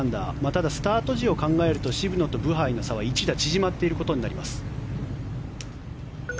ただスタート時を考えると渋野とブハイとの差は１打縮まっていることになります。